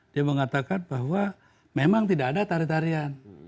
dia mengatakan bahwa memang tidak ada tarian tarian